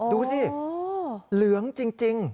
ดูสิเหลืองจริง